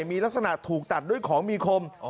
มีลักษณะถูกตัดด้วยของมีคม